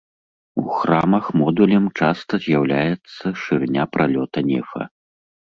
У храмах модулем часта з'яўляецца шырыня пралёта нефа.